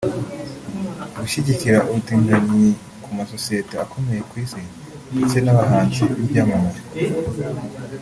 Gushyigikira ubutinganyi ku masosiyete akomeye ku Isi ndetse n’abahanzi b’ibyamamare